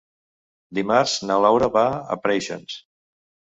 Dimarts na Laura va a Preixens.